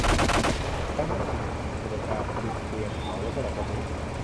ดังนั้นถิ่นทุรกันดารจึงเตรียมเขาไว้สำหรับวันนี้